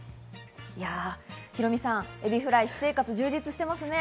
ヒロミさん、エビフライの私生活、充実してますね。